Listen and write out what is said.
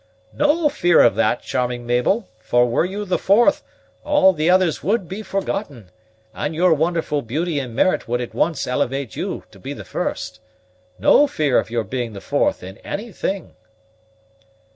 "No fear of that, charming Mabel; for were you the fourth, all the others would be forgotten, and your wonderful beauty and merit would at once elevate you to be the first. No fear of your being the fourth in any thing."